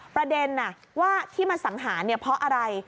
ประเด็นว่าที่มาสังหารเพราะอะไร